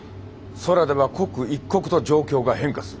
空では刻一刻と状況が変化する。